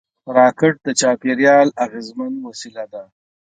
راکټ د چاپېریال اغېزمن وسیله ده